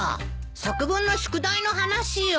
作文の宿題の話よ。